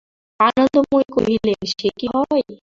আনন্দময়ী কহিলেন, সে কি হয়!